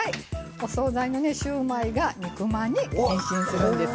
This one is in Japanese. お総菜のシューマイが肉まんに変身するんですよ。